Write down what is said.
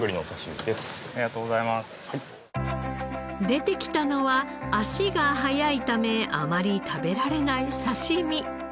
出てきたのは足が早いためあまり食べられない刺し身。